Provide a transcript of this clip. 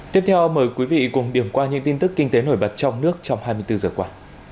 tiếp theo mời quý vị cùng điểm qua những tin tức kinh tế nổi bật trong nước trong hai mươi bốn giờ qua